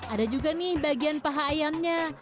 ada juga nih bagian paha ayamnya